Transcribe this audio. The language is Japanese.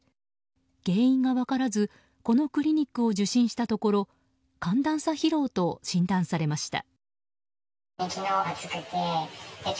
原因が分からずこのクリニックを受診したところ寒暖差疲労と診断されました。